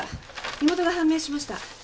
身元が判明しました。